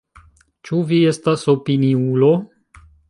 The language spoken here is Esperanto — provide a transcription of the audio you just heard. Ĉu vi estas opiniulo?